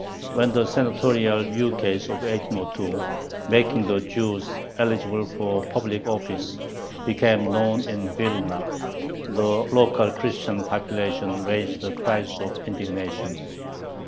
When the Senatorial ukase of 1802, making the Jews eligible for public office, became known in Vilna, the local Christian population raised a cry of indignation.